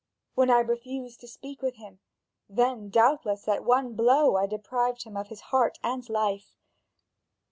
When I refused to speak with him, then doubtless at one blow I deprived him of his heart and life.